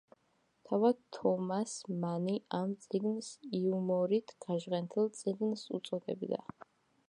თავად თომას მანი ამ წიგნს იუმორით გაჟღენთილ წიგნს უწოდებდა.